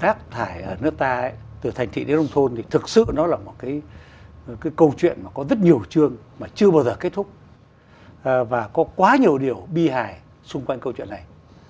và chưa bao giờ kết thúc và có quá nhiều điều bi hài xung quanh câu chuyện này